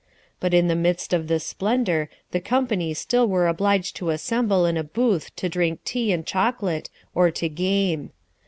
But in the midst of this splendour the company still were obliged to assemble in a booth to drink tea and chocolate, or to game.